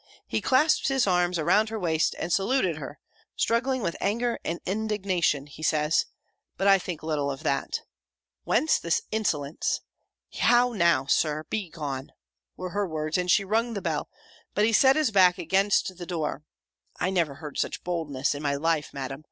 he clasped his arms around her waist, and saluted her, struggling with anger and indignation, he says; but I think little of that! "Whence this insolence? How, now, Sir! Begone!" were her words, and she rung the bell; but he set his back against the door (I never heard such boldness in my life, Madam!)